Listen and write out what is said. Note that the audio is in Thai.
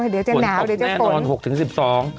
เดี๋ยวจะหนาวเดี๋ยวจะปน